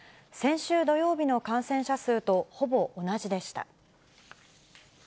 先週土曜日の感染者数とほぼ同じでした。